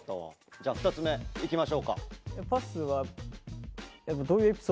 じゃあ２つ目いきましょうか。